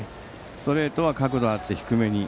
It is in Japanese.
ストレートは角度があって低めに。